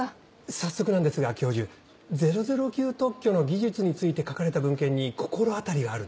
早速なんですが教授００９特許の技術について書かれた文献に心当たりがあると。